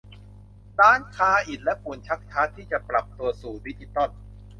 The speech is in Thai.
ร้านค้าอิฐและปูนชักช้าที่จะปรับตัวสู่ดิจิตอล